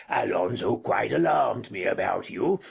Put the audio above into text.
Alonzo quite alarmed me about you.